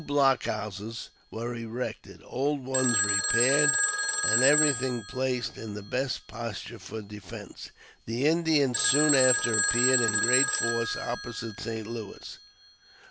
New block houses were erected, old ones repaired, and everything placed in the best posture for defence. The Indians soon after appeared in great force opposite St. Louis.